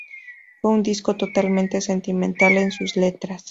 Fue un disco totalmente sentimental en sus letras.